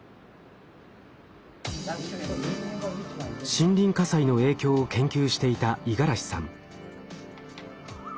森林火災の影響を研究していた五十嵐さん。